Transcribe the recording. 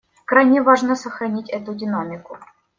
Крайне важно сохранить эту динамику.